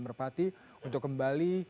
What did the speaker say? merpati untuk kembali